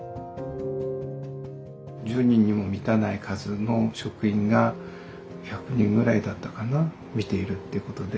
１０人にも満たない数の職員が１００人ぐらいだったかな診ているってことで。